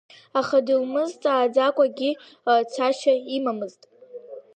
Аха дылмызҵааӡакәангьы цашьа имамызт.